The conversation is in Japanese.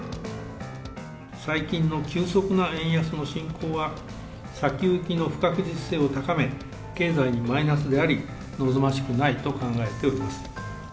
最近の急速な円安の進行は、先行きの不確実性を高め、経済にマイナスであり、望ましくないと考えております。